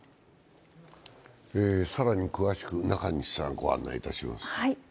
更に詳しく中西さん、ご案内します。